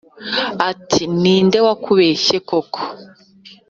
ati ninde wakubeshye koko?